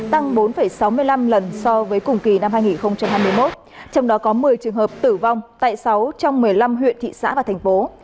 tăng bốn sáu mươi năm lần so với cùng kỳ năm hai nghìn hai mươi một trong đó có một mươi trường hợp tử vong tại sáu trong một mươi năm huyện thị xã và thành phố